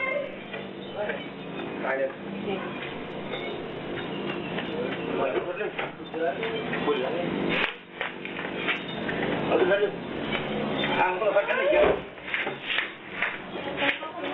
เย็นละนิดนึง